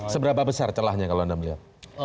seberapa besar celahnya kalau anda melihat